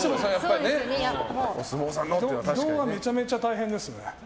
移動はめちゃめちゃ大変ですね。